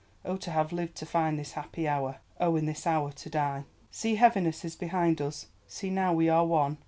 Oh, to have lived to find this happy hour—oh, in this hour to die! See heaviness is behind us, see now we are one.